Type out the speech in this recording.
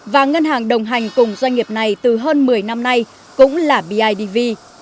và ngân hàng đồng hành cùng doanh nghiệp này từ hơn một mươi năm nay cũng là bidv